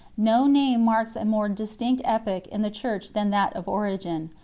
JJ.o name marks a more distinct epoch in the Church than that of Origen.